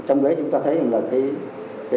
trong đấy chúng ta thấy là